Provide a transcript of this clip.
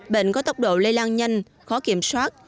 bệnh có tốc độ lây lan nhanh khó kiểm soát